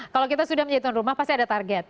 kalau kita sudah menjadi tuan rumah pasti ada target